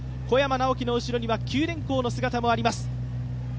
小山直城の後ろには九電工の姿もあります。